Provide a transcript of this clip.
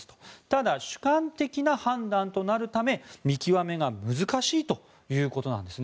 ただ、主観的な判断となるため見極めが難しいということです。